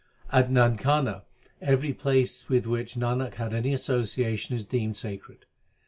At Nankana 1 every place with which Nanak had any association is deemed sacred.